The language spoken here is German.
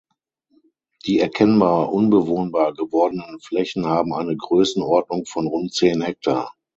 Die erkennbar unbewohnbar gewordenen Flächen haben eine Größenordnung von rund zehn Hektar.